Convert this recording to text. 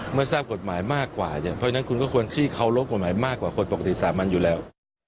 เมื่อทราบกฎหมายมากกว่าเนี่ยเพราะฉะนั้นคุณก็ควรที่เคารพกฎหมายมากกว่าคนปกติสามัญอยู่แล้ว